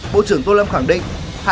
bộ trưởng tô lâm khẳng định